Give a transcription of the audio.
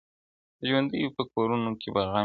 د ژوندیو په کورونو کي به غم وي!!